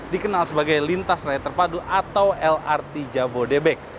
dikenal sebagai lintas raya terpadu atau lrt jabodebek